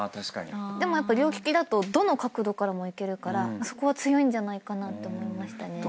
でも両利きだとどの角度からもいけるからそこは強いんじゃないかなと思いましたね。